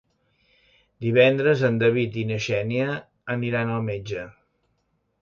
Divendres en David i na Xènia aniran al metge.